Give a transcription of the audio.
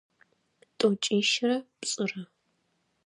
Тӏокӏищырэ пшӏырэ.